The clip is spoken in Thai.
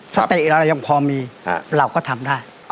สติอะไรยังพอมีครับเราก็ทำได้อ่า